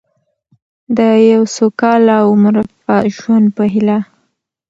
د یو سوکاله او مرفه ژوند په هیله.